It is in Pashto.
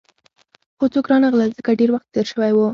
خو څوک رانغلل، ځکه ډېر وخت تېر شوی وو.